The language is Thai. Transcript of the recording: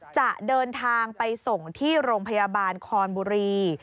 จะเดินทางไปส่งที่โรงพยาบาลคอนบุรี